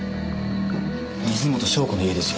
水元湘子の家ですよこれ。